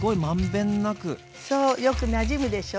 そうよくなじむでしょ。